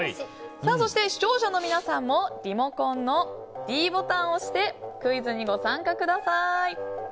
そして視聴者の皆さんもリモコンのｄボタンを押してクイズにご参加ください。